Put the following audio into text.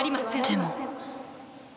でも。